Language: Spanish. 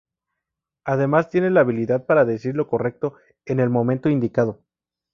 Además tiene la habilidad para decir lo correcto en el momento indicado.